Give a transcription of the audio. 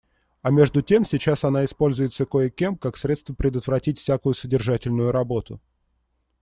А между тем сейчас она используется кое-кем как средство предотвратить всякую содержательную работу.